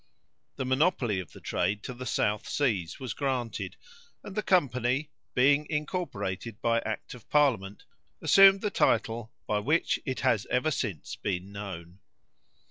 The monopoly of the trade to the South Seas was granted, and the company, being incorporated by act of parliament, assumed the title by which it has ever since been known.